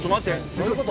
どういうこと？